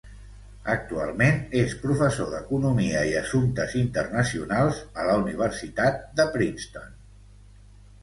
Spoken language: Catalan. Actualment és professor d'Economia i Assumptes Internacionals a la Universitat de Princeton.